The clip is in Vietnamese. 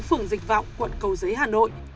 phường dịch vọng quận cầu giấy hà nội